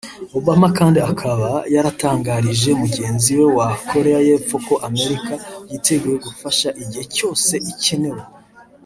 Obama kandi akaba yaratangarije mugenzi we wa Koreya y’Epfo ko Amerika yiteguye gufasha igihe cyose ikenewe